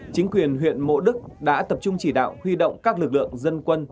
chính quyền huyện mộ đức đã tập trung chỉ đạo huy động các lực lượng dân quân